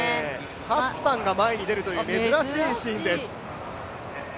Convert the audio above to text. ハッサンが前に出るという珍しいです。